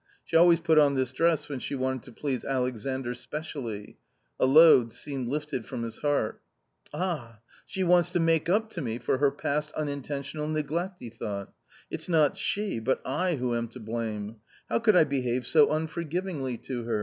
She always put on this dress when she wanted to please Alexandr specially. A load seemed lifted from his heart. " Ah ! she wants to make up to me for her past uninten tional neglect," he thought ;" it's not she, but I who am to blame ; how could I behave so unforgivingly to her